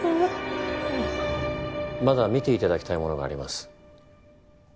まだ見ていただきたいものがあります。